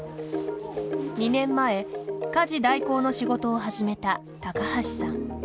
２年前、家事代行の仕事を始めた高橋さん。